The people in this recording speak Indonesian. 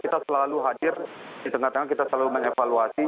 kita selalu hadir di tengah tengah kita selalu mengevaluasi